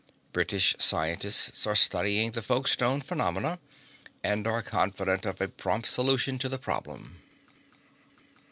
British scientists are studying the Folkestone phenomena and are confident of a prompt solution of the problem.